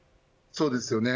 そうですね。